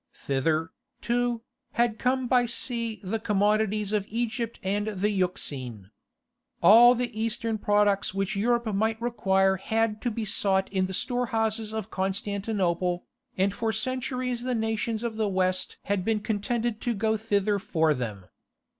Thither, too, had come by sea the commodities of Egypt and the Euxine. All the Eastern products which Europe might require had to be sought in the storehouses of Constantinople, and for centuries the nations of the West had been contented to go thither for them.